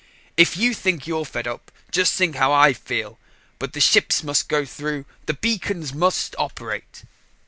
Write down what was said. If you think you're fed up, just think how I feel. But the ships must go through! The beacons must operate!"